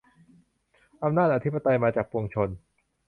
อำนาจอธิปไตยมาจากปวงชน